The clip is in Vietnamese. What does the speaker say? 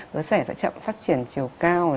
đứa trẻ sẽ chậm phát triển chiều cao